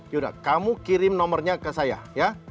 yuda kamu kirim nomornya ke saya ya